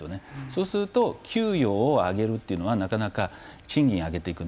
そうすると給与を上げるというのはなかなか賃金上げていくというのは難しい。